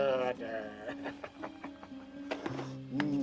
menjadi kemampuan anda